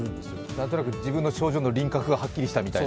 なんとなく自分の症状の輪郭がはっきりしたみたいな。